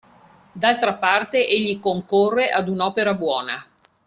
D’altra parte egli concorre ad un’opera buona